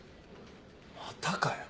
またかよ。